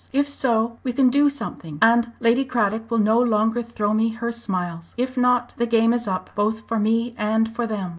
If so, we can do something, and Lady Cradock will no longer throw me her smiles. If not the game is up, both for me and for them.